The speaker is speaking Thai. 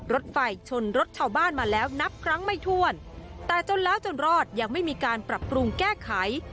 รถไฟชนรถชาวบ้านมาแล้วนับครั้งไม่ถ้วนแต่จนแล้วจนรอดยังไม่มีการปรับปรุงแก้ไข